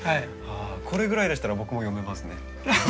これぐらいでしたら僕も読めますね。